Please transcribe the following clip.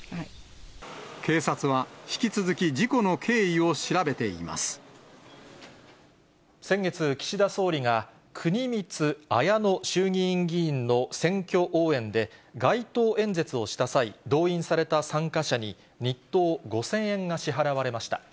警察は引き続き、事故の経緯先月、岸田総理が国光文乃衆議院議員の選挙応援で、街頭演説をした際、動員された参加者に日当５０００円が支払われました。